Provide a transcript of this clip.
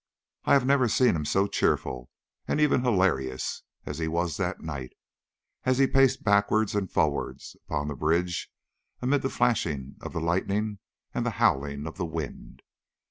I have never seen him so cheerful, and even hilarious, as he was that night, as he paced backwards and forwards upon the bridge amid the flashing of the lightning and the howling of the wind.